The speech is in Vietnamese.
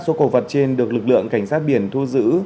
số cổ vật trên được lực lượng cảnh sát biển thu giữ